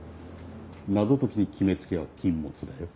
謎解きに決め付けは禁物だよ。